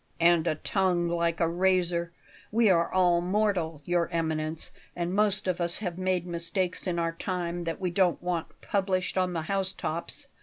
"And a tongue like a razor. We are all mortal, Your Eminence, and most of us have made mistakes in our time that we don't want published on the house tops.